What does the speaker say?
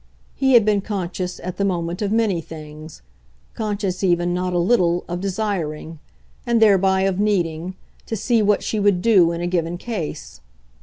He had been conscious, at the moment, of many things conscious even, not a little, of desiring; and thereby of needing, to see what she would do in a given case.